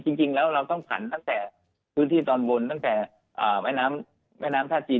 จริงแล้วเราต้องผันตั้งแต่พื้นที่ตอนบนตั้งแต่แม่น้ำแม่น้ำท่าจีน